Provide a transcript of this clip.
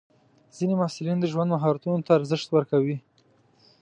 ځینې محصلین د ژوند مهارتونو ته ارزښت ورکوي.